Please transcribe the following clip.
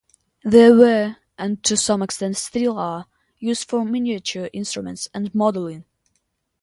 They were, and to some extent still are, used for miniature instruments and modelling.